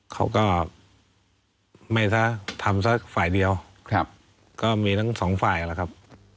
เขาก็ไม่ซะทำสักฝ่ายเดียวก็มีทั้งสองฝ่ายแล้วครับ